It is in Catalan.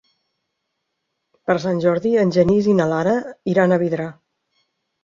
Per Sant Jordi en Genís i na Lara iran a Vidrà.